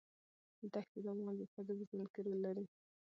دښتې د افغان ښځو په ژوند کې رول لري.